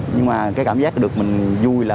nhưng mà cái cảm giác được mình vui là